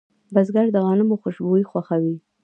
بزګر د غنمو خوشبو خوښوي